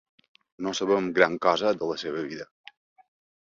No sabem gran cosa de la seva vida.